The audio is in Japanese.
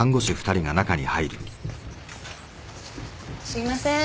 すいません。